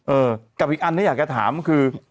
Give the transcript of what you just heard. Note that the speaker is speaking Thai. เออกับอีกอันที่อยากจะถามคือ